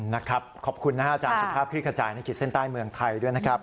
นะครับขอบคุณจากสภาพคลิกกระจายในกิจเส้นใต้เมืองไทยด้วยนะครับ